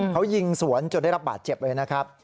เขายิงสวนจนได้รับบาดเจ็บเลยนะครับ